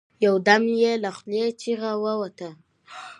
يو دم يې له خولې چيغه ووته.